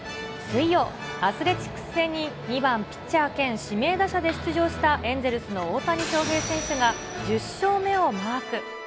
水曜、アスレチックス戦に２番、ピッチャー兼指名打者で出場した、エンゼルスの大谷翔平選手が、１０勝目をマーク。